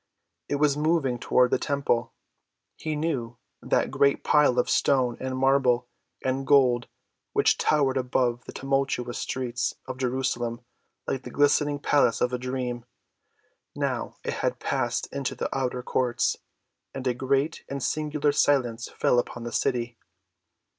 It was moving toward the temple, he knew,—that great pile of stone and marble and gold which towered above the tumultuous streets of Jerusalem like the glistening palace of a dream. Now it had passed into the outer courts, and a great and singular silence fell upon the city.